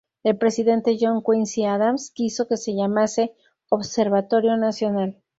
El presidente John Quincy Adams quiso que se llamase Observatorio Nacional.